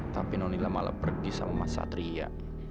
tapi nonila malah pergi sama mas satria